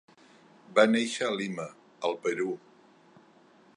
Va néixer a Lima, al Perú.